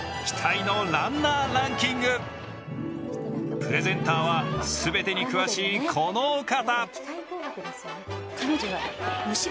プレゼンターは全てに詳しいこのお方。